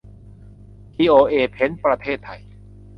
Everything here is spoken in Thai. ทีโอเอ เพ้นท์ ประเทศไทย